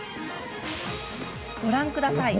ご覧ください。